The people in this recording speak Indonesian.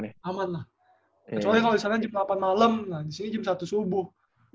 nah di sini jam satu subuh